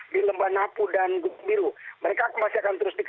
di lemba nambang